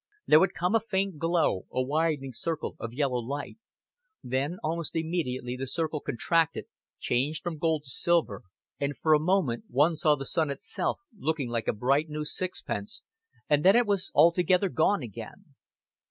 There would come a faint glow, a widening circle of yellow light; then almost immediately the circle contracted, changed from gold to silver, and for a moment one saw the sun itself looking like a bright new sixpence, and then it was altogether gone again.